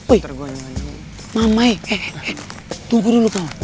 wih mama eh eh eh tunggu dulu kawan